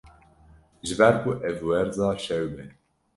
ji ber ku ev werza şewb e